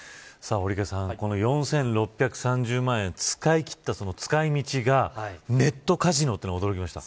堀池さん、この４６３０万円使い切ったその使い道がネットカジノというのは驚きました。